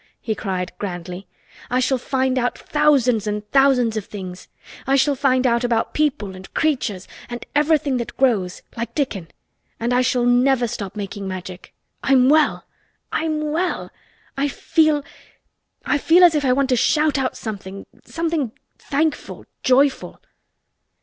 he cried grandly. "I shall find out thousands and thousands of things. I shall find out about people and creatures and everything that grows—like Dickon—and I shall never stop making Magic. I'm well! I'm well! I feel—I feel as if I want to shout out something—something thankful, joyful!"